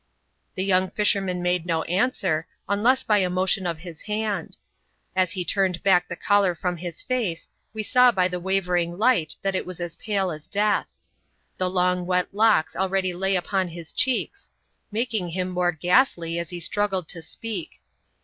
The young fisherman made no answer, unless by a motion of his hand. As he turned back the collar from his face, we saw by the waving light that it was pale as death. The long wet locks already lay upon his cheeks, making them more ghastly as he struggled to speak.